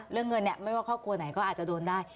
เรื่องเงินเนี่ยไม่ว่าครอบครัวไหนก็อาจจะโดนได้